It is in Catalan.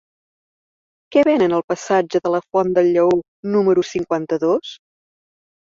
Què venen al passatge de la Font del Lleó número cinquanta-dos?